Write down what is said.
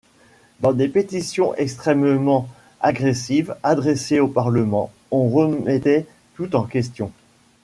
Dans des pétitions extrêmement agressive adressées au Parlement, on remettait tout en question.